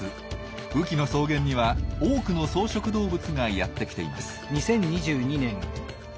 雨季の草原には多くの草食動物がやって来ています。